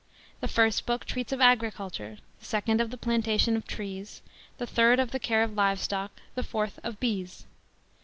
The first Book treats of agriculture, the second of the plantation of trees, the third of the care of livestock, the fourth of bees.